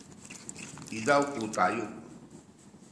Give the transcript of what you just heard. izaw ku tayu